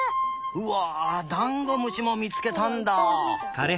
うわダンゴムシもみつけたんだ。